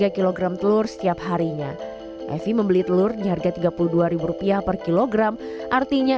tiga kg telur setiap harinya evi membeli telur di harga tiga puluh dua rupiah per kilogram artinya